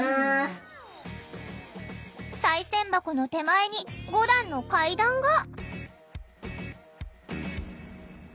さい銭箱の手前に５段の階段が。